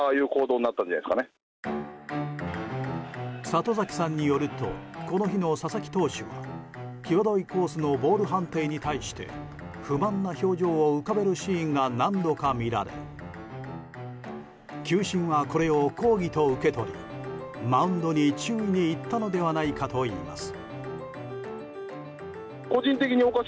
里崎さんによるとこの日の佐々木投手は際どいコースのボール判定に対して不満な表情を浮かべるシーンが何度か見られ球審はこれを抗議と受け止めマウンドに注意に行ったのではないかといいます。